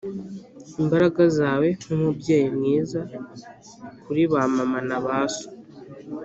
imbaraga zawe nkumubyeyi mwiza kuri ba mama na ba so,